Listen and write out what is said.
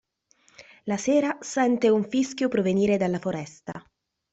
La sera sente un fischio provenire dalla foresta.